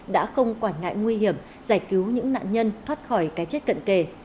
đã không quản ngại nguy hiểm giải cứu những nạn nhân thoát khỏi cái chết cận kề